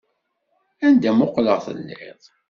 Anda muqleɣ telliḍ.